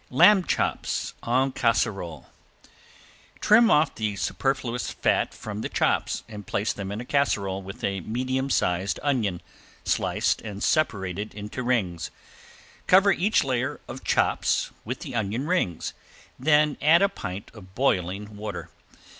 ~LAMB CHOPS EN CASSEROLE~ Trim off the superfluous fat from the chops, and place them in a casserole with a medium sized onion, sliced and separated into rings. Cover each layer of chops with the onion rings, then add a pint of boiling water.